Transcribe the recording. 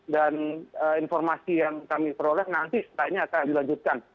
dan informasi yang kami peroleh nanti setelah ini akan dilanjutkan